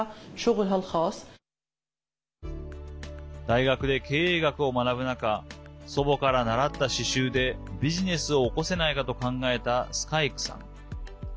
大学で経営学を学ぶ中祖母から習った刺しゅうでビジネスを起こせないかと考えたスカイクさん。